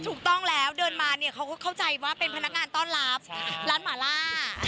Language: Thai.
ถูกต้องแล้วเดินมาเนี่ยเขาก็เข้าใจว่าเป็นพนักงานต้อนรับร้านหมาล่า